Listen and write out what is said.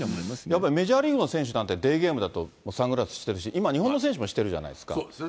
やっぱりメジャーリーグの選手なんて、デーゲームだとサングラスしてるし、今、日本の選手もしてるじゃないですか。